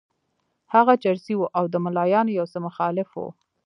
هغه چرسي وو او د ملایانو یو څه مخالف وو.